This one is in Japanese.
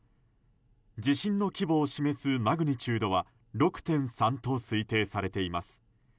地震の規模を示すマグニチュードは６．３と推定されています。